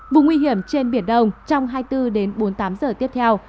vùng nguy hiểm trên biển đông trong hai mươi bốn đến bốn mươi tám giờ tiếp theo